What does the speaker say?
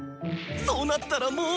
そうなったらもう。